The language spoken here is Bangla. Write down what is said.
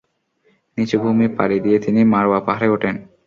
নীচু ভূমি পাড়ি দিয়ে তিনি মারওয়া পাহাড়ে ওঠেন।